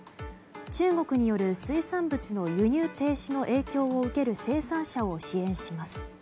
中国による水産物の輸入停止の影響を受ける生産者を支援します。